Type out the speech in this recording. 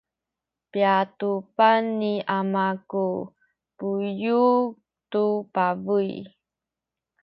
piadupan ni ama ku buyu’ tu pabuy.